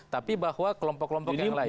tapi bahwa kelompok kelompok yang lain